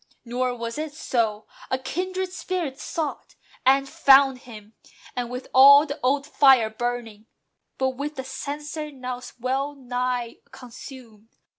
Nor was it so. A kindred spirit sought, And found him! and with all the old fire burning; But with the censer now well nigh consumed.